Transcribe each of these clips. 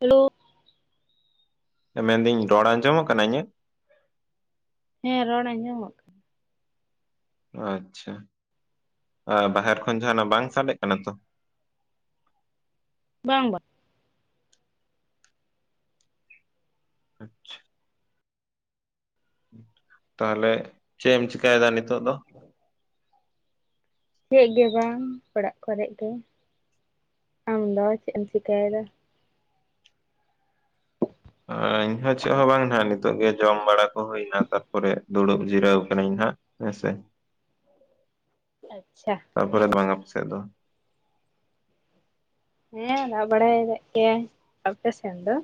Hello. ᱢᱮᱱ ᱫᱟᱹᱧ ᱨᱚᱲ ᱟᱸᱡᱚᱢ ᱠᱟᱱᱟ ᱤᱧᱟᱹᱜ? ᱦᱮᱸ ᱨᱚᱲ ᱟᱸᱡᱚᱢᱚᱜ ᱠᱟᱱᱟ ᱟᱪᱪᱷᱟ, ᱟᱨ ᱵᱟᱦᱮᱨ ᱠᱷᱚᱱ ᱡᱟᱦᱟᱸᱱᱟᱜ ᱵᱟᱝ ᱥᱟᱰᱮᱜ ᱠᱟᱱᱟ ᱛᱚ? ᱵᱟᱝ ᱵᱟᱝ᱾ ᱟᱪᱪᱷᱟ᱾ ᱛᱟᱦᱚᱞᱮ ᱪᱮᱫ ᱮᱢ ᱪᱤᱠᱟᱭᱮᱫᱟ ᱱᱤᱛᱚᱜ ᱫᱚ? [inaudible] ᱪᱮᱫ ᱜᱮ ᱵᱟᱝ ᱚᱲᱟᱜ ᱠᱚᱨᱮᱜ ᱜᱮ ᱟᱢ ᱫᱚ ᱪᱮᱫ ᱮᱢ ᱪᱤᱠᱟᱭᱮᱫᱟ? ᱟᱸ ᱤᱧᱦᱚᱸ ᱪᱮᱫ ᱦᱚᱸ ᱵᱟᱝ ᱱᱟᱦᱟᱸᱜ ᱱᱤᱛ ᱛᱳᱜ ᱜᱮ ᱡᱚᱢ ᱵᱟᱲᱟ ᱠᱚ ᱦᱩᱭᱱᱟ ᱛᱟᱨᱯᱚᱨᱮ ᱫᱩᱲᱩᱵ ᱡᱤᱨᱟᱹᱣ ᱠᱟᱹᱱᱟᱹᱧ ᱱᱟᱦᱟᱸᱜ ᱦᱮᱸᱥᱮ᱾ ᱟᱪᱪᱷᱟ ᱛᱟᱨᱯᱚᱨᱮ ᱵᱟᱝ, ᱟᱯᱮ ᱥᱮᱫ ᱫᱚ? ᱦᱮᱸ ᱫᱟᱜ ᱵᱟᱲᱟᱭᱮᱫ ᱜᱮᱭᱟᱭ, ᱟᱯᱮ ᱤᱮᱱ ᱫᱚ?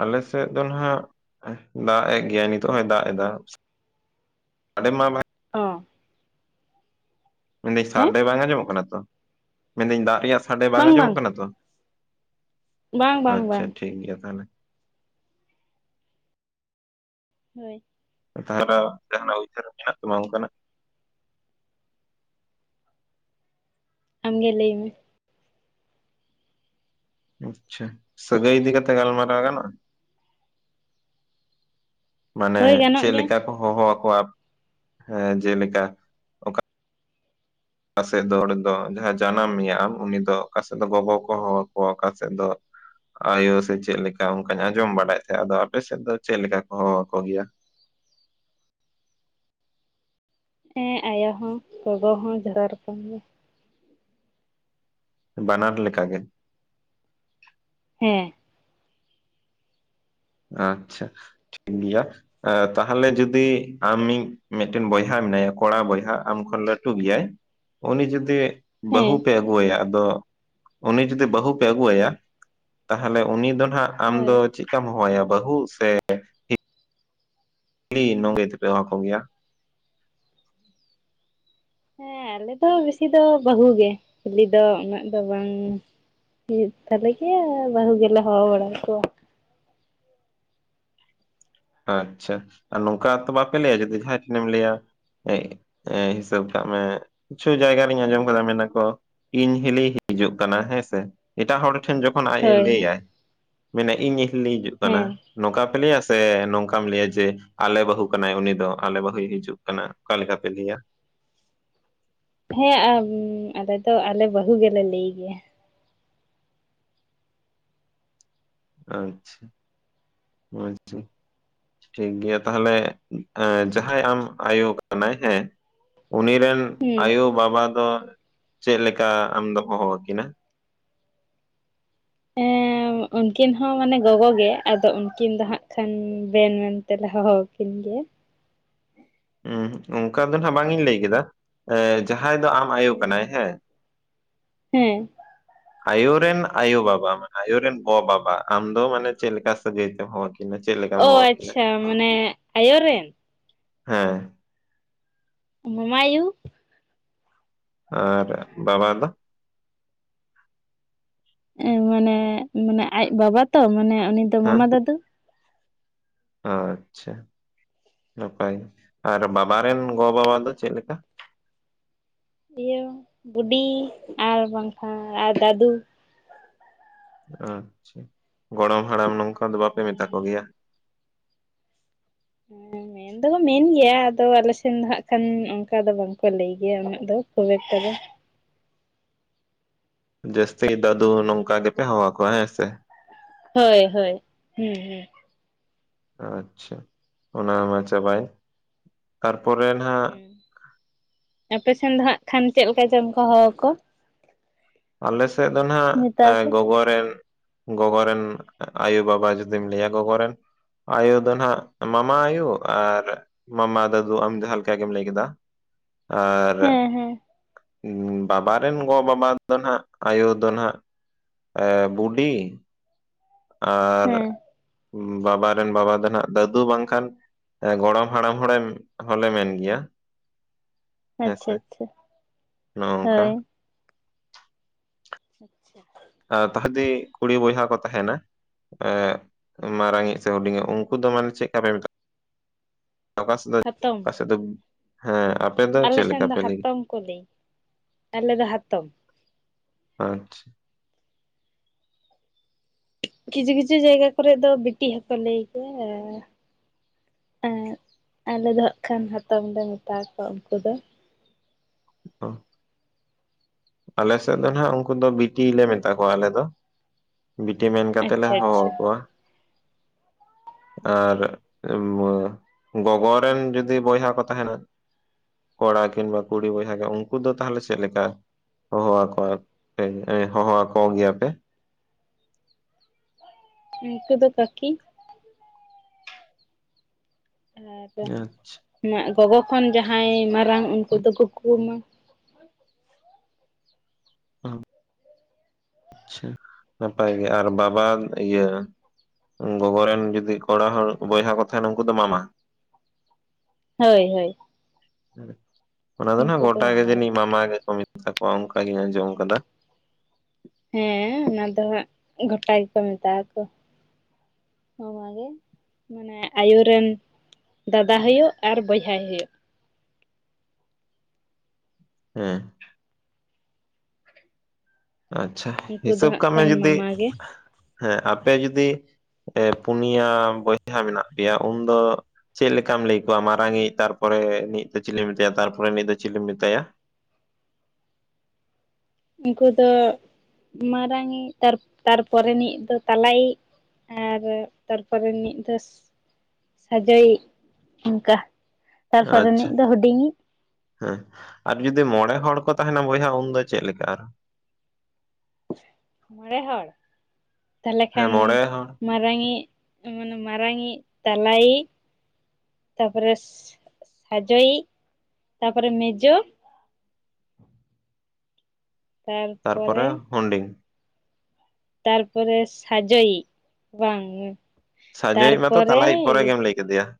ᱟᱞᱮ ᱥᱮᱫ ᱫᱚ ᱱᱟᱦᱟᱸᱜ ᱫᱟᱜ ᱮᱫ ᱜᱮᱭᱟᱭ ᱱᱤᱛᱳᱜ ᱦᱚᱭ ᱫᱟᱜ ᱫᱟ᱾ [unintelligible] ᱚ᱾ ᱢᱮᱱᱫᱟᱹᱧ ᱦᱮᱸ ᱥᱟᱰᱮ ᱵᱟᱝ ᱟᱸᱡᱚᱢᱚᱜ ᱠᱟᱱᱟ ᱛᱚ? ᱢᱮᱱᱫᱟᱹᱧ ᱫᱟᱜ ᱨᱮᱭᱟᱜ ᱥᱟᱰᱮ ᱵᱟᱝ ᱟᱸᱡᱚᱢᱚᱜ ᱠᱟᱱᱟ ᱛᱚ? ᱵᱟᱝ ᱵᱟᱝ ᱟᱪᱪᱷᱟ ᱵᱟᱝ ᱴᱷᱤᱠ ᱜᱮᱭᱟ ᱛᱟᱦᱞᱮ᱾ ᱦᱳᱭ᱾ ᱚ ᱛᱟᱦᱞᱮ ᱡᱟᱦᱟᱸᱱᱟᱜ ᱩᱭᱦᱟᱹᱨ ᱢᱮᱱᱟᱜ ᱛᱟᱢᱟ ᱚᱱᱠᱟᱱᱟᱜ? ᱟᱢᱜᱮ ᱞᱟᱹᱭ ᱢᱮ᱾ ᱟᱪᱪᱷᱟ, ᱥᱟᱹᱜᱟᱹᱭ ᱤᱫᱤ ᱠᱟᱛᱮ ᱜᱟᱞᱢᱟᱨᱟᱣ ᱜᱟᱱᱚᱜᱼᱟ? ᱢᱟᱱᱮ ᱦᱳᱭ ᱜᱟᱱᱚᱜ ᱪᱮᱫ ᱜᱮᱭᱟ ᱞᱮᱠᱟ ᱠᱚ ᱦᱚᱦᱚᱣᱟᱠᱚᱣᱟ ᱦᱮᱸ ᱡᱮᱞᱮᱠᱟ ᱚᱠᱟᱥᱮᱫ ᱫᱚ ᱚᱸᱰᱮ ᱫᱚ ᱡᱟᱦᱟᱸᱭ ᱡᱟᱱᱟᱢ ᱢᱮᱭᱟ ᱟᱢ ᱩᱱᱤ ᱫᱚ ᱚᱠᱟᱥᱮᱫ ᱫᱚ ᱜᱚᱜᱚ ᱠᱚ ᱦᱚᱦᱚ ᱟᱠᱚᱣᱟ ᱚᱠᱟᱥᱮᱫ ᱫᱚ ᱟᱭᱳ ᱥᱮ ᱪᱮᱫᱞᱮᱠᱟ ᱚᱱᱠᱟᱧ ᱟᱸᱡᱚᱢ ᱵᱟᱰᱟᱭᱮᱫ ᱛᱟᱦᱮᱸᱫ ᱟᱫᱚ ᱟᱯᱮ ᱥᱮᱫ ᱫᱚ ᱪᱮᱫ ᱞᱮᱠᱟ ᱠᱚ ᱦᱚᱦᱚ ᱟᱠᱚ ᱜᱮᱭᱟ? ᱦᱮᱸ ᱟᱭᱳ ᱦᱚᱸ ᱜᱚᱜᱚ ᱦᱚᱸ ᱡᱷᱚᱛᱚ ᱨᱚᱠᱚᱢ ᱜᱮ᱾ ᱵᱟᱱᱟᱨ ᱞᱮᱠᱟ ᱜᱮ? ᱦᱮᱸ᱾ ᱟᱪᱪᱷᱟ ᱴᱷᱤᱠ ᱜᱮᱭᱟ, ᱛᱟᱦᱚᱞᱮ ᱡᱩᱫᱤ ᱟᱢᱤᱡ ᱢᱤᱫᱴᱮᱱ ᱵᱚᱭᱦᱟ ᱢᱮᱱᱟᱭᱟ ᱠᱚᱲᱟ ᱵᱚᱭᱦᱟ ᱟᱢ ᱠᱷᱚᱱ ᱞᱟᱹᱴᱩ ᱜᱮᱭᱟᱭ ᱩᱱᱤ ᱡᱩᱫᱤ ᱵᱚᱦᱩ ᱦᱮᱸ ᱯᱮ ᱟᱹᱜᱩᱣᱟᱭᱟ ᱟᱫᱚ ᱩᱱᱤ ᱡᱩᱫᱤ ᱵᱟᱹᱦᱩ ᱯᱮ ᱟᱹᱜᱩᱣᱟᱭᱟ, ᱛᱟᱦᱚᱞᱮ ᱩᱱᱤ ᱫᱚ ᱱᱟᱦᱸᱟᱜ ᱟᱢ ᱦᱳᱭ ᱫᱚ ᱪᱮᱫᱠᱟᱢ ᱦᱚᱦᱚᱣᱟᱭᱟ ᱵᱟᱹᱦᱩ ᱥᱮ ᱦᱤᱞᱤ [unintelligible] ᱛᱮᱯᱮ ᱦᱚᱦᱚ ᱟᱠᱚ ᱜᱮᱭᱟ? ᱦᱮᱸ ᱟᱞᱮ ᱫᱚ ᱵᱮᱥᱤ ᱫᱚ ᱵᱟᱹᱦᱩ ᱜᱮ, ᱦᱤᱞᱤ ᱫᱚ ᱩᱱᱟᱹᱜ ᱫᱚ ᱵᱟᱝ᱾ ᱦᱩᱭᱩᱜ ᱛᱟᱞᱮ ᱜᱮᱭᱟ ᱵᱟᱦᱩ ᱜᱮᱞᱟ ᱦᱚᱦᱚ ᱵᱟᱲᱟ ᱟᱠᱚᱣᱟ᱾ ᱟᱪᱪᱷᱟ ᱟᱨ ᱱᱚᱝᱠᱟ ᱛᱚ ᱵᱟᱯᱮ ᱞᱟᱹᱭᱟ ᱡᱩᱫᱤ ᱡᱟᱦᱟᱸᱭ ᱴᱷᱮᱱᱮᱢ ᱞᱟᱹᱭᱟ ᱮᱸ ᱮᱸ ᱦᱤᱥᱟᱹᱵ ᱠᱟᱜ ᱢᱮ ᱠᱤᱪᱷᱩ ᱡᱟᱭᱜᱟ ᱨᱤᱧ ᱟᱸᱡᱚᱢ ᱠᱟᱫᱟ ᱢᱮᱱᱟᱠᱚ ᱤᱧ ᱦᱤᱞᱤ ᱦᱤᱡᱩᱜ ᱠᱟᱱᱟ ᱦᱮᱸᱥᱮ, ᱮᱴᱟᱜ ᱦᱚᱲ ᱴᱷᱮᱱ ᱡᱚᱠᱷᱚᱱ ᱟᱡ ᱮ ᱦᱳᱭ ᱞᱟᱹᱭ ᱟᱭ ᱢᱮᱱᱟᱭ ᱤᱧ ᱦᱤᱞᱤ ᱦᱤᱡᱩᱜ ᱠᱟᱱᱟ ᱦᱮᱸ ᱱᱚᱝᱠᱟ ᱯᱮ ᱞᱟᱹᱭᱟ ᱥᱮ ᱱᱚᱝᱠᱟᱢ ᱞᱟᱹᱭᱟ ᱡᱮ ᱟᱞᱮ ᱵᱟᱹᱦᱩ ᱠᱟᱱᱟᱭ ᱩᱱᱤ ᱫᱚ ᱟᱞᱮ ᱵᱟᱹᱦᱩᱭ ᱦᱤᱡᱩᱜ ᱠᱟᱱᱟ ᱚᱠᱟ ᱞᱮᱠᱟ ᱯᱮ ᱞᱟᱹᱭᱟ? ᱦᱮᱸ ᱟᱞᱮ ᱫᱚ ᱟᱞᱮ ᱵᱟᱹᱦᱩ ᱜᱮᱞᱮ ᱞᱟᱹᱭ ᱜᱮᱭᱟ᱾ ᱟᱪᱪᱷᱟ ᱟᱪᱪᱷᱟ᱾ ᱴᱷᱤᱠ ᱜᱮᱭᱟ ᱛᱟᱦᱚᱞᱮ ᱡᱟᱦᱟᱸᱭ ᱟᱢ ᱟᱭᱳ ᱠᱟᱱᱟᱭ ᱦᱮᱸ, ᱩᱱᱤ ᱨᱮᱱ ᱦᱩᱸ ᱟᱭᱳ ᱵᱟᱵᱟ ᱫᱚ ᱪᱮᱫ ᱞᱮᱠᱟ ᱟᱢ ᱫᱚᱢ ᱦᱚᱦᱚᱣᱟᱠᱤᱱᱟ? ᱦᱮᱸ᱾ ᱩᱱᱠᱤᱱ ᱦᱚᱸ ᱢᱟᱱᱮ ᱜᱚᱜᱚ ᱜᱮ ᱟᱫᱚ ᱩᱱᱠᱤᱱ ᱫᱚ ᱦᱟᱸᱜ ᱠᱷᱟᱱ ᱵᱮᱱ ᱢᱮᱱ ᱛᱮᱞᱮ ᱦᱚᱦᱚᱣᱟᱠᱤᱱ ᱜᱮᱭᱟ ᱾ ᱩᱸᱦᱩᱸᱜ ᱚᱱᱠᱟ ᱫᱚ ᱱᱟᱦᱟᱜ ᱵᱟᱝ ᱤᱧ ᱞᱟᱹᱭ ᱠᱮᱫᱟ ᱮ ᱡᱟᱦᱟᱸᱭ ᱫᱚ ᱟᱢ ᱟᱭᱳ ᱠᱟᱱᱟᱭ ᱦᱮᱸ ᱾ ᱦᱮᱸ ᱾ [inaudible] ᱟᱭᱳ ᱨᱮᱱ ᱟᱭᱳ ᱵᱟᱵᱟ ᱢᱟᱱᱮ ᱟᱭᱳ ᱨᱮᱱ ᱜᱚ ᱵᱟᱵᱟ ᱟᱢ ᱫᱚ ᱢᱟᱱᱮ ᱪᱮᱫ ᱞᱮᱠᱟ ᱥᱟᱹᱜᱟᱹᱭ ᱛᱮᱢ ᱦᱚᱦᱚᱣᱟ ᱠᱤᱱᱟ? ᱚ ᱟᱪᱪᱷᱟ ᱢᱟᱱᱮ ᱟᱭᱳ ᱨᱮᱱ? ᱦᱮᱸ ᱾ ᱢᱟᱢᱟ ᱟᱭᱩ ᱾ ᱟᱨ ᱵᱟᱵᱟ ᱫᱚ? ᱮ ᱢᱟᱱᱮ, ᱢᱟᱱᱮ ᱟᱡ ᱵᱟᱵᱟ ᱛᱚ ᱢᱟᱱᱮ ᱩᱱᱤ ᱫᱚ ᱦᱮᱸ ᱢᱟᱢᱟ ᱫᱟᱫᱩ ᱾ ᱟᱪᱪᱷᱟ ᱱᱟᱯᱟᱭ, ᱟᱨ ᱵᱟᱵᱟ ᱨᱮᱱ ᱜᱚ ᱵᱟᱵᱟ ᱫᱚ ᱪᱮᱫ ᱞᱮᱠᱟ? ᱤᱭᱟᱹ ᱵᱩᱰᱤ ᱟᱨ ᱵᱟᱝᱠᱷᱟᱱ ᱟᱨ ᱫᱟᱫᱩ ᱾ ᱟᱪᱪᱷᱟ ᱜᱚᱲᱚᱢ ᱦᱟᱲᱟᱢ ᱱᱚᱝᱠᱟ ᱫᱚ ᱵᱟᱯᱮ ᱢᱮᱛᱟ ᱠᱚ ᱜᱮᱭᱟ? ᱦᱮᱸ ᱢᱮ ᱢᱮᱱ ᱫᱚᱠᱚ ᱢᱮᱱ ᱜᱮᱭᱟ ᱟᱫᱚ ᱟᱞᱮ ᱥᱮᱱ ᱫᱚ ᱦᱟᱜ ᱠᱷᱟᱱ ᱚᱱᱠᱟ ᱫᱚ ᱵᱟᱝᱠᱚ ᱞᱟᱹᱭ ᱜᱮᱭᱟ ᱩᱱᱟᱹᱜ ᱫᱚ ᱠᱷᱩᱵ ᱮᱠᱴᱟ ᱫᱚ ᱾ ᱡᱟᱹᱥᱛᱤ ᱫᱟᱫᱩ ᱱᱚᱝᱠᱟ ᱜᱮᱯᱮ ᱦᱚᱦᱚᱣᱟ ᱠᱚᱣᱟ ᱦᱮᱸ ᱥᱮ? ᱦᱳᱭ ᱦᱳᱭ, ᱦᱩᱸ ᱦᱩᱸ ᱾ ᱟᱪᱪᱷᱟ ᱚᱱᱟ ᱢᱟ ᱪᱟᱵᱟᱭᱮᱱ, ᱛᱟᱨᱯᱚᱨᱮ ᱱᱟᱦᱟᱜ ᱦᱩᱸ ᱟᱯᱮᱥᱮᱱ ᱫᱚ ᱦᱟᱸᱜ ᱠᱷᱟᱱ ᱪᱮᱫ ᱞᱮᱠᱟ ᱪᱚᱝ ᱠᱚ ᱦᱚᱦᱚᱣᱟ ᱠᱚ? ᱟᱞᱮ ᱥᱮᱫ ᱫᱚ ᱢᱮᱛᱟ ᱱᱟᱦᱟᱜ ᱠᱚ ᱜᱚᱜᱚ ᱨᱮᱱ ᱜᱚᱜᱚ ᱨᱮᱱ ᱟᱭᱩ ᱵᱟᱵᱟ ᱡᱩᱫᱤᱢ ᱞᱟᱹᱭᱟ ᱜᱚᱜᱚ ᱨᱮᱱ ᱟᱭᱳ ᱫᱚ ᱱᱟᱦᱟᱜ ᱢᱟᱢᱟ ᱟᱭᱳ, ᱟᱨ ᱢᱟᱢᱟ ᱫᱟᱫᱩ ᱟᱢ ᱡᱟᱦᱟ ᱞᱮᱠᱟ ᱜᱮᱢ ᱞᱟᱹᱭ ᱠᱮᱫᱟ ᱾ ᱟᱨ ᱦᱮᱸ ᱦᱮᱸ ᱵᱟᱵᱟ ᱨᱮᱱ ᱜᱚ ᱵᱟᱵᱟ ᱫᱚ ᱱᱟᱜ ᱟᱭᱳ ᱫᱚ ᱱᱟᱦᱜ ᱵᱩᱰᱤ ᱟᱨ ᱦᱮᱸ ᱵᱟᱵᱟ ᱨᱮᱱ ᱵᱟᱵᱟ ᱫᱚ ᱱᱟᱦᱟᱜ ᱫᱟᱹᱫᱩ ᱵᱟᱝᱠᱷᱟᱱ ᱜᱚᱲᱚᱢ ᱦᱟᱲᱟᱢ ᱦᱚᱲᱮ ᱦᱚᱞᱮ ᱢᱮᱱ ᱜᱮᱭᱟ ᱾ ᱦᱮᱸᱥᱮ ᱟᱪᱪᱷᱟ ᱟᱪᱪᱷᱟ ᱱᱚᱜᱼᱚ ᱱᱚᱝᱠᱟ ᱦᱳᱭ ᱾ ᱟᱪᱪᱷᱟ ᱟᱪᱪᱷᱟ ᱾ ᱟᱨ ᱛᱟᱦᱮᱫᱤ ᱠᱩᱲᱤ ᱵᱚᱭᱦᱟ ᱠᱚ ᱛᱟᱦᱮᱱᱟ ᱮᱸᱜ ᱢᱟᱨᱟᱝ ᱤᱡ ᱥᱮ ᱦᱩᱰᱤᱧᱤᱜ ᱩᱱᱠᱩ ᱫᱚ ᱢᱟᱱᱮ ᱪᱮᱫ ᱞᱮᱠᱟ ᱯᱮ ᱢᱮᱛᱟ ᱚᱠᱟ ᱥᱮᱫ ᱦᱟᱛᱚᱢ ᱾ [unintelligible] ᱦᱮᱸ ᱟᱯᱮ ᱫᱚ ᱪᱮᱫ ᱞᱮᱠᱟ ᱥᱮᱱ ᱫᱚ ᱯᱮ ᱞᱟᱹᱭ? ᱦᱟᱛᱚᱢ ᱠᱚ ᱞᱟᱹᱭ ᱟᱞᱮ ᱫᱚ ᱦᱟᱛᱚᱢ ᱾ ᱟᱪᱪᱷᱟ ᱾ ᱠᱤᱪᱷᱩ ᱠᱤᱪᱷᱩ ᱡᱟᱭᱜᱟ ᱠᱚᱨᱮ ᱫᱚ ᱵᱤᱴᱤ ᱦᱚᱠᱚ ᱞᱟᱹᱭ ᱜᱮᱭᱟ ᱾ ᱟᱨ ᱟᱞᱮ ᱫᱚ ᱦᱟᱜ ᱠᱷᱟᱱ ᱦᱟᱛᱚᱢ ᱞᱮ ᱢᱮᱛᱟ ᱠᱚᱣᱟ ᱩᱱᱠᱩ ᱫᱚ ᱾ ᱚ ᱾ ᱟᱞᱮ ᱥᱮᱫ ᱫᱚ ᱱᱟᱦᱟᱜ ᱩᱱᱠᱩ ᱫᱚ ᱵᱤᱴᱤ ᱞᱮ ᱢᱮᱛᱟ ᱠᱚᱣᱟ ᱟᱞᱮ ᱫᱚ ᱾ ᱵᱤᱴᱤ ᱢᱮᱱ ᱠᱟᱛᱮᱜ ᱞᱮ ᱟᱪᱪᱷᱟ ᱦᱚᱦᱚ ᱟᱪᱪᱷᱟ ᱟᱠᱚᱣᱟ ᱾ ᱟᱨ ᱦᱮᱸ ᱜᱚᱜᱚ ᱨᱮᱱ ᱡᱩᱚᱫᱤ ᱵᱚᱭᱦᱟ ᱠᱚ ᱛᱟᱦᱮᱱᱟ ᱠᱚᱲᱟ ᱠᱤᱝᱵᱟ, ᱠᱩᱲᱤ ᱵᱚᱭᱦᱟ ᱠᱚ ᱩᱱᱠᱩ ᱫᱚ ᱛᱟᱦᱚᱞᱮ ᱪᱮᱫ ᱞᱮᱠᱟ? ᱦᱚᱦᱚ ᱣᱟᱠᱚᱣᱟ ᱯᱮ ᱦᱚᱦᱚᱣᱟᱠᱚ ᱜᱮᱭᱟ ᱯᱮ? ᱩᱱᱠᱩ ᱫᱚ ᱠᱟᱠᱤ ᱾ ᱟᱪᱪᱷᱟ ᱟᱨ ᱜᱚᱜᱚ ᱠᱷᱚᱱ ᱡᱟᱦᱟᱸᱭ ᱢᱟᱨᱟᱝ ᱩᱱᱠᱩ ᱫᱚ ᱠᱩᱠᱩᱢᱟ, ᱚ ᱾ ᱟᱪᱪᱷᱟ, ᱱᱟᱯᱟᱭ ᱜᱮ ᱟᱨ ᱵᱟᱵᱟ ᱤᱭᱟᱹ ᱜᱚᱜᱚ ᱨᱮᱱ ᱡᱩᱫᱤ ᱠᱚᱲᱟ ᱦᱚᱲ ᱵᱚᱭᱦᱟ ᱠᱚ ᱛᱟᱦᱮᱱᱟ ᱩᱱᱠᱩ ᱫᱚ ᱢᱟᱢᱟ ᱾ ᱦᱳᱭ ᱦᱳᱭ ᱾ ᱚᱱᱟ ᱫᱚ ᱱᱟᱜ ᱜᱚᱴᱟ ᱜᱮ ᱡᱟᱹᱱᱤᱡ ᱢᱟᱢᱟ ᱜᱮᱠᱚ ᱢᱮᱛᱟ ᱠᱚᱣᱟ ᱚᱱᱠᱟ ᱜᱤᱧ ᱟᱸᱡᱚᱢ ᱠᱟᱫᱟ ᱾ ᱦᱮᱸ ᱚᱱᱟ ᱫᱚ ᱦᱟᱸᱜ ᱜᱚᱴᱟ ᱜᱮᱠᱚ ᱢᱮᱛᱟᱜ ᱟᱠᱚᱣᱟ ᱾ ᱢᱟᱢᱟ ᱜᱮ ᱾ ᱢᱟᱱᱮ ᱟᱭᱳ ᱨᱮᱱ ᱫᱟᱫᱟ ᱦᱳᱭᱳᱜ ᱟᱨ ᱵᱚᱭᱦᱟᱭ ᱦᱳᱭᱳᱜ ᱾ ᱦᱮᱸ ᱾ ᱟᱪᱪᱷᱟ, ᱩᱱᱠᱩ ᱫᱚ ᱦᱤᱥᱟᱹᱵ ᱦᱟᱸᱜ ᱠᱟᱜ ᱢᱮ ᱠᱷᱟᱱ ᱡᱩᱫᱤ ᱢᱟᱢᱟ ᱜᱮ ᱦᱮᱸ ᱟᱯᱮ ᱡᱩᱫᱤ ᱮ ᱯᱩᱱᱭᱟ ᱵᱚᱭᱦᱟ ᱢᱮᱱᱟᱜ ᱯᱮᱭᱟ ᱩᱱᱫᱚ ᱪᱮᱫ ᱞᱮᱠᱟᱢ ᱞᱟᱹᱭ ᱠᱚᱣᱟ ᱢᱟᱨᱟᱝ ᱤᱡ ᱛᱟᱨᱯᱚᱨᱮ ᱱᱤᱡ ᱫᱚ ᱪᱤᱞᱤᱢ ᱢᱮᱛᱟᱭᱟ ᱛᱟᱨᱯᱚᱨᱮ ᱱᱤᱡ ᱫᱚ ᱪᱤᱞᱤᱢ ᱢᱮᱛᱟᱭᱟ? ᱩᱝᱠᱩ ᱫᱚ ᱢᱟᱨᱟᱝᱤᱡ ᱛᱟᱨ ᱛᱟᱨᱯᱚᱨᱮᱱᱤᱡ ᱫᱚ ᱛᱟᱞᱟᱭᱤᱡ ᱾ ᱟᱨ ᱛᱟᱨᱯᱚᱨᱮᱱᱤᱡ ᱫᱚᱥ ᱥᱟᱡᱚᱭᱤᱡ ᱩᱝᱠᱟ, ᱛᱟᱨᱯᱚᱨᱮ ᱟᱪᱪᱷᱟ ᱱᱤᱡ ᱫᱚ ᱦᱩᱰᱤᱧᱤᱡ ᱾ ᱦᱮᱸ, ᱟᱨ ᱡᱩᱫᱤ ᱢᱚᱬᱮ ᱦᱚᱲ ᱠᱚ ᱛᱟᱦᱮᱸᱱᱟ ᱵᱚᱭᱦᱟ ᱩᱱᱫᱚ ᱪᱮᱫ ᱞᱮᱠᱟ ᱟᱨᱦᱚᱸ? ᱢᱚᱬᱮ ᱦᱚᱲ! ᱛᱟᱦᱞᱮ ᱦᱮᱸ ᱠᱷᱟᱱ ᱢᱚᱬᱮ ᱦᱚᱲ ᱢᱟᱨᱟᱝᱤᱡ ᱢᱟᱱᱮ ᱢᱟᱨᱟᱝᱤᱡ, ᱛᱟᱞᱟᱭᱤᱡ, ᱛᱟᱯᱚᱨᱮ ᱥᱟᱡᱚᱭᱤᱡ, ᱛᱟᱯᱚᱨᱮ ᱢᱮᱡᱳ, ᱛᱟᱨᱯᱚᱨᱮ ᱦᱩᱸᱰᱤᱝ ᱾ ᱛᱟᱨᱯᱚᱨᱮ ᱥᱟᱡᱚᱭᱤᱡ, ᱵᱟᱝ! ᱥᱟᱡᱚᱭᱤᱡ ᱢᱟᱛᱚ ᱛᱟᱨᱯᱚᱨᱮ ᱛᱟᱞᱟᱭᱤᱡ ᱯᱚᱨᱮ ᱜᱮᱢ ᱞᱟᱹᱭ ᱠᱮᱫᱮᱭᱟ ᱾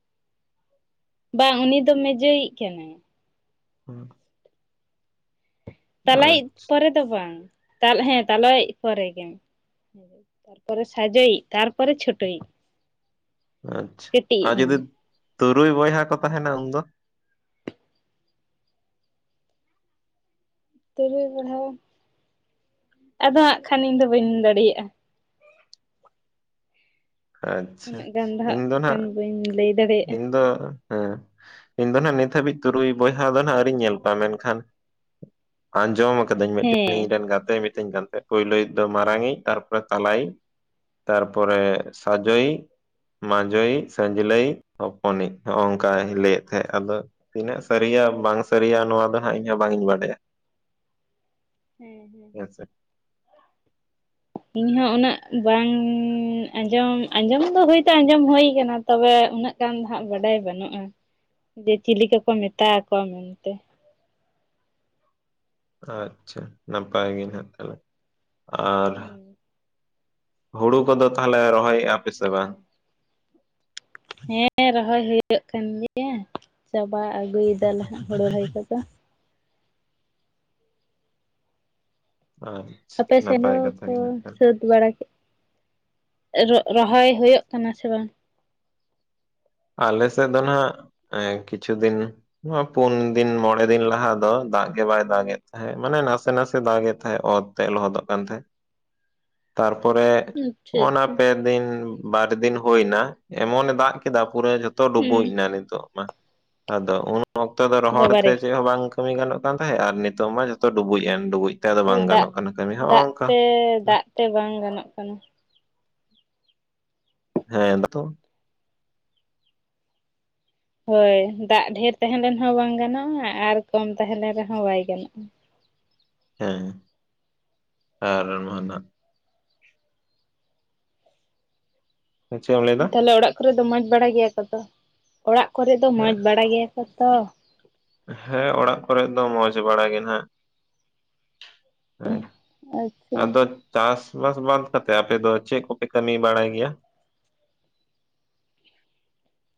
ᱵᱟᱝ ᱩᱱᱤ ᱫᱚ ᱢᱮᱡᱳᱭᱤᱡ ᱠᱟᱱᱟᱭ ᱾ ᱦᱮᱸ ᱾ ᱛᱟᱞᱟᱭᱤᱡ ᱯᱚᱨᱮ ᱫᱚ ᱵᱟᱝ, ᱦᱮᱸ ᱛᱟᱞᱟᱭᱤᱡ ᱯᱚᱨᱮ ᱜᱮ ᱾ ᱛᱟᱨᱯᱚᱨᱮ ᱥᱟᱡᱚᱭᱤᱡ, ᱛᱟᱨᱯᱚᱨᱮ ᱪᱷᱳᱴᱳᱭᱤᱡ ᱾ ᱟᱪᱪᱷᱟ, ᱟᱨ ᱡᱩᱫᱤ ᱢᱟᱱᱮ ᱛᱩᱨᱩᱭ ᱵᱚᱭᱦᱟ ᱠᱚ ᱛᱟᱦᱮᱸᱱᱟ ᱩᱱᱫᱚ! ᱛᱩᱨᱩᱭ ᱵᱚᱭᱦᱟ! ᱟᱫᱚ ᱦᱟᱸᱜ ᱠᱷᱟᱱ ᱤᱧ ᱫᱚ ᱵᱟᱹᱧ ᱫᱟᱲᱤᱭᱟᱜᱼᱟ ᱾ ᱟᱪᱪᱷᱟ, ᱩᱱᱟᱹᱜ ᱜᱟᱱ ᱤᱧ ᱦᱟᱸᱜ ᱫᱚ ᱠᱷᱟᱱ ᱵᱟᱹᱧ ᱞᱟᱹᱭ ᱱᱟᱦᱟᱜ ᱫᱟᱲᱮᱭᱟᱜᱼᱟ ᱤᱧ ᱫᱚ ᱦᱮᱸ, ᱤᱧ ᱫᱚ ᱱᱟᱦᱟᱜ ᱱᱤᱛ ᱦᱟᱹᱵᱤᱡ ᱛᱩᱨᱩᱭ ᱵᱚᱭᱦᱟ ᱫᱚ ᱦᱟᱸᱜ ᱟᱹᱣᱨᱤᱧ ᱧᱮᱞ ᱠᱚᱣᱟ, ᱢᱮᱱᱠᱷᱟᱱ ᱟᱸᱡᱚᱢ ᱟᱠᱟᱫᱟᱹᱧ ᱢᱤᱫᱴᱮᱱ ᱦᱮᱸ ᱤᱧᱨᱮᱱ ᱜᱟᱛᱮ ᱢᱤ ᱛᱟᱹᱧ ᱠᱟᱱ ᱛᱟᱦᱮᱸᱜ, ᱯᱳᱭᱞᱳᱭᱤᱡ ᱫᱚ ᱢᱟᱨᱟᱝᱤᱡ, ᱛᱟᱨᱯᱚᱨᱮ ᱛᱟᱞᱟᱭᱤᱡ, ᱛᱟᱨᱯᱚᱨᱮ ᱥᱟᱡᱚᱭᱤᱡ, ᱢᱟᱡᱚᱭᱤᱡ, ᱥᱟᱹᱡᱽᱞᱟᱹᱭᱤᱡ, ᱦᱚᱯᱚᱱᱤᱡ ᱦᱚᱜ ᱚᱝᱠᱟᱭ ᱞᱟᱹᱭᱮᱫ ᱛᱟᱦᱮᱸᱫ, ᱟᱫᱚ ᱛᱤᱱᱟᱹᱜ ᱥᱟᱹᱨᱤᱭᱟ ᱵᱟᱝ ᱥᱟᱹᱨᱤᱭᱟ ᱱᱚᱣᱟ ᱫᱚ ᱦᱟᱸᱜ ᱤᱧᱦᱚᱸ ᱵᱟᱝᱤᱧ ᱵᱟᱰᱟᱭᱟ ᱾ ᱦᱮᱸ ᱦᱮᱸ ᱾ [inaudible] ᱤᱧᱦᱚᱸ ᱩᱱᱟᱹᱜ ᱵᱟᱝᱻ ᱟᱸᱡᱚᱢ ᱟᱸᱡᱚᱢ ᱫᱚ ᱦᱚᱭᱛᱚ ᱟᱸᱡᱚᱢ ᱦᱩᱭ ᱟᱠᱟᱱᱟ ᱾ ᱛᱚᱵᱮ ᱩᱱᱟᱹᱜ ᱜᱟᱱ ᱫᱚ ᱦᱟᱸᱜ ᱵᱟᱰᱟᱭ ᱵᱟᱹᱱᱩᱜ-ᱟ, ᱡᱮ ᱪᱤᱞᱤ ᱠᱚᱠᱚ ᱢᱮᱛᱟᱠᱚᱣᱟ ᱢᱮᱱᱛᱮ? ᱟᱪᱪᱷᱟ, ᱱᱟᱯᱟᱭ ᱜᱮ ᱱᱟᱦᱟᱜ ᱛᱟᱦᱚᱞᱮ, ᱟᱨ ᱦᱮᱸ ᱦᱩᱲᱩ ᱠᱚᱫᱚ ᱛᱟᱦᱚᱞᱮ ᱨᱚᱦᱚᱭᱮᱜᱼᱟ ᱯᱮ ᱥᱮ ᱵᱟᱝ? ᱦᱮᱸ, ᱨᱚᱦᱚᱭ ᱦᱳᱭᱳᱜ ᱠᱟᱱ ᱜᱮᱭᱟ ᱾ ᱪᱟᱵᱟ ᱟᱜᱩᱭ ᱫᱟᱞᱮ ᱦᱟᱸᱜ ᱦᱩᱲᱩ ᱨᱚᱦᱚᱭ ᱠᱚ ᱫᱚ ᱾ ᱟᱨ ᱟᱯᱮ ᱥᱮᱫ ᱦᱚᱸ ᱠᱚ ᱥᱟᱹᱛᱼᱼ ᱵᱟᱲᱟ ᱠᱮᱛ, ᱮ ᱨᱚ ᱨᱚᱦᱚᱭ ᱦᱩᱭᱩᱜ ᱠᱟᱱᱟ ᱥᱮ ᱵᱟᱝ? ᱟᱞᱮ ᱥᱮᱫ ᱫᱚ ᱦᱟᱸᱜ ᱮ ᱠᱤᱪᱷᱩ ᱫᱤᱱᱼᱼ ᱱᱚᱣᱟ ᱯᱩᱱ ᱫᱤᱱ ᱢᱚᱬᱮ ᱫᱤᱱ ᱞᱟᱦᱟ ᱫᱚ ᱫᱟᱜ ᱜᱮ ᱵᱟᱭ ᱫᱟᱜᱮᱫ ᱛᱟᱦᱮᱸᱜ, ᱢᱟᱱᱮ ᱱᱟᱥᱮ ᱱᱟᱥᱮᱭ ᱫᱟᱜᱮᱫ ᱛᱟᱦᱮᱸᱫ ᱚᱛᱼᱼ ᱛᱮ ᱞᱚᱦᱚᱫᱚᱜ ᱠᱟᱱ ᱛᱟᱦᱮᱸᱫ ᱾ ᱛᱟᱨᱯᱚᱨᱮ ᱟᱪᱪᱷᱟ ᱚᱱᱟ ᱟᱪᱪᱷᱟ ᱯᱮ ᱫᱤᱱ, ᱵᱟᱨ ᱫᱤᱱ ᱦᱩᱭ ᱮᱱᱟ ᱮᱢᱚᱱᱮ ᱫᱟᱜ ᱠᱮᱫᱟᱼᱼ ᱯᱩᱨᱟᱹ ᱡᱷᱚᱛᱚ ᱦᱩᱸ ᱰᱩᱵᱩᱡ ᱮᱱᱟ ᱱᱤᱛᱚᱜ ᱢᱟ, ᱟᱫᱚ ᱩᱱ ᱚᱠᱛᱚ ᱫᱚ ᱨᱚᱦᱚᱲ ᱛᱮ ᱵᱟᱵᱟᱨᱮ ᱪᱮᱫ ᱦᱚᱸ ᱵᱟᱝᱼᱼ ᱠᱟᱹᱢᱤ ᱜᱟᱱᱚᱜ ᱠᱟᱱ ᱛᱟᱦᱮᱸᱜ ᱟᱨ ᱱᱤᱛᱚᱜ ᱢᱟ ᱡᱚᱛᱚ ᱰᱩᱵᱩᱡ ᱮᱱ ᱰᱩᱵᱩᱡᱼᱼ ᱛᱚ ᱫᱟᱜ, ᱫᱟᱜ ᱛᱮ ᱫᱟᱜ ᱛᱮ ᱵᱟᱝ ᱜᱟᱱᱚᱜ ᱠᱟᱱᱟ ᱾ ᱦᱮᱸ ᱵᱟᱛᱚᱼᱼ ᱦᱚᱭ ᱫᱟᱜ ᱰᱷᱮᱨ ᱛᱟᱦᱮᱸ ᱞᱮᱱ ᱦᱚᱸ ᱵᱟᱝ ᱜᱟᱱᱚᱜ-ᱟ, ᱟᱨ ᱠᱚᱢ ᱛᱟᱦᱮᱸ ᱞᱮᱱ ᱨᱮᱦᱚᱸ ᱵᱟᱭ ᱜᱟᱱᱚᱜ-ᱟ ᱾ ᱦᱮᱸ ᱟᱨᱟᱢᱟᱱᱟᱜᱼᱼ ᱦᱮᱸ ᱪᱮᱫ ᱮᱢ ᱞᱟᱹᱭᱫᱟ? ᱛᱟᱦᱚᱞᱮ ᱚᱲᱟᱜ ᱠᱚᱨᱮ ᱫᱚ ᱢᱚᱡᱽ ᱵᱟᱲᱟ ᱜᱮᱭᱟ ᱠᱚ ᱛᱚ? ᱚᱲᱟᱜ ᱠᱚᱨᱮ ᱫᱚ ᱢᱚᱡᱽ ᱵᱟᱲᱟ ᱜᱮᱭᱟ ᱠᱚ ᱛᱚ? ᱦᱮᱸ ᱚᱲᱟᱜ ᱠᱚᱨᱮ ᱫᱚ ᱢᱚᱸᱡᱽ ᱵᱟᱲᱟ ᱜᱮ ᱱᱟᱜ ᱾ ᱦᱮᱸ, ᱟᱪᱪᱷᱟ ᱟᱫᱚᱼᱼ ᱪᱟᱥ ᱵᱟᱥ ᱵᱟᱫᱽ ᱠᱟᱛᱮ ᱟᱯᱮ ᱫᱚ ᱪᱮᱫ ᱠᱚᱯᱮ ᱠᱟᱹᱢᱤ ᱵᱟᱲᱟᱭ ᱜᱮᱭᱟ?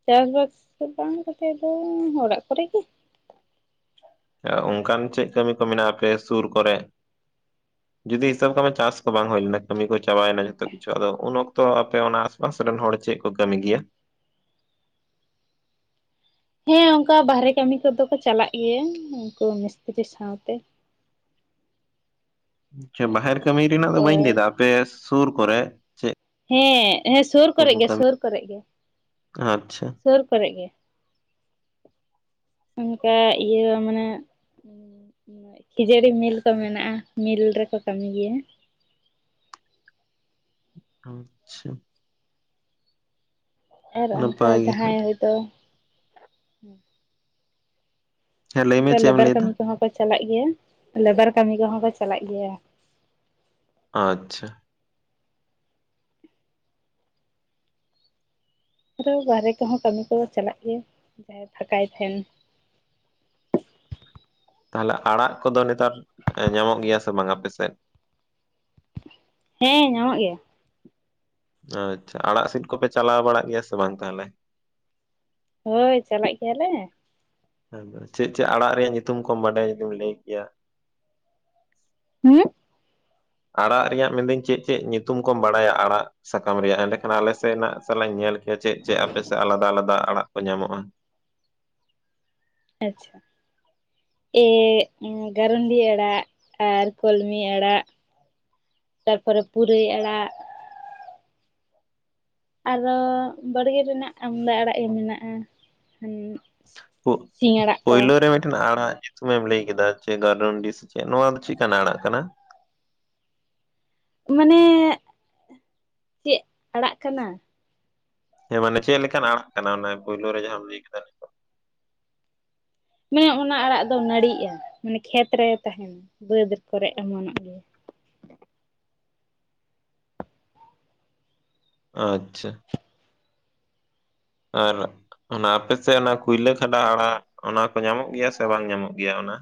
ᱪᱟᱥ ᱵᱟᱥ ᱠᱚ ᱵᱟᱝ ᱠᱟᱛᱮ ᱫᱚ ᱚᱲᱟᱜ ᱠᱚᱨᱮ ᱜᱮ ᱾ ᱚ ᱚᱱᱠᱟᱱ ᱪᱮᱫ ᱠᱟᱹᱢᱤ ᱠᱚ ᱢᱮᱱᱟᱜᱼᱟ ᱟᱯᱮ ᱥᱩᱨ ᱠᱚᱨᱮ? ᱡᱩᱫᱤ ᱦᱤᱥᱟᱹᱵᱽ ᱠᱟᱜ ᱢᱮ ᱪᱟᱥ ᱠᱚ ᱵᱟᱝ ᱦᱩᱭ ᱞᱮᱱᱟ, ᱠᱟᱹᱢᱤ ᱠᱚ ᱪᱟᱵᱟᱭᱮᱱᱟ ᱡᱚᱛᱚ ᱠᱤᱪᱷᱩ ᱟᱫᱚ ᱩᱱ ᱚᱠᱛᱚ ᱟᱯᱮ ᱚᱱᱟᱼᱼ ᱯᱟᱥ ᱨᱮᱱ ᱦᱚᱲ ᱪᱮᱫ ᱠᱚ ᱠᱟᱹᱢᱤ ᱜᱮᱭᱟ? ᱦᱮᱸ ᱚᱱᱠᱟ ᱵᱟᱦᱨᱮ ᱠᱟᱹᱢᱤ ᱠᱚᱫᱚ ᱠᱚ ᱪᱟᱞᱟᱜ ᱜᱮᱭᱟ, ᱩᱱᱠᱩ ᱢᱤᱥᱛᱨᱤ ᱥᱟᱶᱛᱮ ᱾ ᱟᱪᱪᱷᱟ ᱟᱨ ᱵᱟᱦᱮᱨ ᱠᱟᱹᱢᱤ ᱨᱮᱱᱟᱜ ᱫᱚ ᱚᱱᱠᱟ ᱵᱟᱹᱧ ᱞᱟᱹᱭᱫᱟ, ᱟᱯᱮ ᱥᱩᱨ ᱠᱚᱨᱮ? ᱪᱮᱫ ᱦᱮᱸ, ᱦᱮᱸ ᱥᱩᱨ ᱠᱚᱠᱚ ᱠᱚᱨᱮᱜ ᱜᱮ, ᱠᱟᱹᱢᱤ ᱥᱩᱨ ᱠᱚᱨᱮᱜ ᱜᱮ, ᱟᱪᱪᱷᱟ ᱥᱩᱨ ᱠᱚᱨᱮᱜ ᱜᱮ ᱾ ᱚᱱᱠᱟ ᱤᱭᱟᱹ ᱢᱟᱱᱮᱼᱼ ᱦᱩᱸ ᱾ ᱠᱷᱤᱡᱟᱹᱲᱤ ᱢᱤᱞ ᱠᱚ ᱢᱮᱱᱟᱜᱼᱟ, ᱢᱤᱞ ᱨᱮᱠᱚ ᱠᱟᱹᱢᱤ ᱜᱮᱭᱟ ᱾ ᱟᱪᱪᱷᱟ ᱾ ᱟᱨ ᱚᱱᱠᱟ ᱱᱟᱯᱟᱭ ᱜᱮ ᱦᱟᱸᱜ ᱡᱟᱦᱟᱸᱭ ᱦᱚᱭᱛᱚᱼᱼ ᱦᱮᱸ ᱞᱟᱹᱭ ᱢᱮ ᱪᱮᱫ ᱮᱢ ᱞᱮᱵᱟᱨ ᱞᱟᱹᱭᱫᱟ? ᱠᱟᱹᱢᱤ ᱠᱚᱦᱚᱸ ᱠᱚ ᱪᱟᱞᱟᱜ ᱜᱮᱭᱟ, ᱞᱮᱵᱟᱨ ᱠᱟᱹᱢᱤ ᱠᱚᱦᱚᱸ ᱠᱚ ᱪᱟᱞᱟᱜ ᱜᱮᱭᱟ ᱾ ᱟᱪᱪᱷᱟ ᱾ ᱥᱮ ᱵᱟᱦᱨᱮ ᱠᱚᱦᱚᱸ ᱠᱟᱹᱢᱤ ᱠᱚ ᱪᱟᱞᱟᱜ ᱜᱮᱭᱟ, ᱡᱟᱦᱟᱸᱭ ᱯᱷᱟᱠᱟᱭ ᱛᱟᱸᱦᱮᱱ ᱾ ᱛᱟᱦᱞᱮ ᱟᱲᱟᱜ ᱠᱚᱫᱚ ᱱᱮᱛᱟᱨ ᱧᱟᱢᱚᱜ ᱜᱮᱭᱟ ᱥᱮ ᱵᱟᱝ ᱟᱯᱮ ᱥᱮᱫ? ᱦᱮᱸ ᱧᱟᱢᱚᱜ ᱜᱮᱭᱟ ᱾ ᱟᱪᱪᱷᱟ, ᱟᱲᱟᱜ ᱥᱤᱫ ᱠᱚᱯᱮ ᱪᱟᱞᱟᱣ ᱵᱟᱲᱟᱜ ᱜᱮᱭᱟ ᱥᱮ ᱵᱟᱝ ᱛᱟᱦᱞᱮ? ᱦᱳᱭ ᱪᱟᱞᱟᱜ ᱜᱮᱭᱟᱞᱮ ᱾ ᱪᱮᱫ ᱪᱮᱫ ᱟᱲᱟᱜ ᱨᱮᱭᱟᱜ ᱧᱩᱛᱩᱢ ᱠᱚᱢ ᱵᱟᱰᱟᱭ ᱡᱩᱫᱤᱢ ᱞᱟᱹᱭ ᱠᱮᱭᱟ? ᱦᱩᱸ ᱾ ᱟᱲᱟᱜ ᱨᱮᱭᱟᱜ ᱢᱮᱱᱫᱟᱹᱧ ᱪᱮᱫ ᱪᱮᱫ ᱧᱩᱛᱩᱢ ᱠᱚᱢ ᱵᱟᱲᱟᱭᱟ ᱟᱲᱟᱜ ᱥᱟᱠᱟᱢ ᱨᱮᱭᱟᱜ ᱮᱸᱰᱮᱠᱷᱟᱱ ᱟᱞᱮ ᱥᱮᱫ ᱱᱟᱜ ᱥᱟᱞᱟᱜ ᱧᱮᱞᱼᱼ ᱪᱮᱫ ᱪᱮᱫ ᱟᱯᱮᱥᱮᱫ ᱟᱞᱟᱫᱟ ᱟᱞᱟᱫᱟ ᱟᱲᱟᱜ ᱠᱚ ᱧᱟᱢᱚᱜᱼᱟ? ᱟᱪᱪᱷᱟ ᱾ ᱮᱫ ᱜᱟᱨᱩᱱᱰᱤ ᱟᱲᱟᱜ ᱟᱨ ᱠᱚᱞᱢᱤ ᱟᱲᱟᱜ ᱾ ᱛᱟᱨᱯᱚᱨᱮ ᱯᱩᱨᱟᱹᱭ ᱟᱲᱟᱜ ᱾ ᱟᱨᱦᱚ ᱵᱟᱲᱜᱮ ᱨᱮᱱᱟᱜ ᱟᱢᱫᱟ ᱟᱲᱟᱜ ᱜᱮ ᱢᱮᱱᱟᱜᱼᱟ ᱾ ᱦᱩᱸᱼᱼ ᱯᱳ ᱯᱳᱭᱞᱳ ᱨᱮ ᱢᱤᱫᱴᱮᱱ ᱟᱲᱟᱜᱼᱼ ᱥᱚᱢᱚᱭ ᱮᱢ, ᱞᱟᱹᱭ ᱠᱮᱫᱟ, ᱡᱮ, ᱜᱟᱨᱩᱱᱰᱤ, ᱥᱮ ᱪᱮᱫ? ᱱᱚᱣᱟ ᱫᱚ, ᱪᱮᱫ ᱞᱮᱠᱟᱱᱟᱜ? ᱟᱲᱟᱜ ᱠᱟᱱᱟ ᱾ ᱢᱟ ᱱᱮᱻ, ᱪᱮᱫ? ᱟᱲᱟᱜ ᱠᱟᱱᱟ ᱾ ᱦᱮᱸ, ᱢᱟᱱᱮ ᱪᱮᱫ ᱞᱮᱠᱟᱱ ᱟᱲᱟᱜ ᱠᱟᱱᱟ ᱾ ᱚᱱᱟ ᱯᱳᱭᱞᱳ ᱨᱮ, ᱡᱟᱦᱟᱸᱢ ᱞᱟᱹᱭ ᱠᱮᱫᱟ, ᱱᱤᱛᱳᱜ ᱾ ᱢᱮᱻ ᱚᱱᱟ, ᱟᱲᱟᱜ ᱫᱚ ᱱᱟᱹᱲᱤᱜᱼᱟ, ᱢᱟᱱᱮ, ᱠᱷᱮᱛ ᱨᱮ ᱛᱟᱦᱮᱱᱟ ᱾ ᱵᱟᱹᱫᱽ ᱠᱚᱨᱮ, ᱮᱢᱚᱱᱚᱜ ᱜᱮᱭᱟ ᱾ ᱟᱼᱪᱪᱷᱟ ᱾ ᱟᱨᱟᱜ ᱚᱱᱟ, ᱟᱯᱮᱥᱮᱫ ᱚᱱᱟ, ᱠᱩᱭᱞᱟᱹ ᱠᱷᱟᱸᱰᱟ ᱟᱲᱟᱜ, ᱚᱱᱟ ᱠᱚ, ᱧᱟᱢᱚᱜ ᱜᱮᱭᱟ ᱥᱮ, ᱵᱟᱝ ᱧᱟᱢᱚᱜ ᱜᱮᱭᱟ, ᱚᱱᱟ?